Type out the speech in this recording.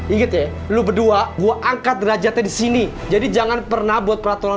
ingat ya lu berdua gue angkat derajatnya di sini jadi jangan pernah buat peraturan